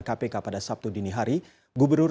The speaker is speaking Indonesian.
kpk pada sabtu dini hari gubernur